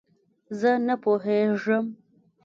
زۀ نۀ پوهېږم.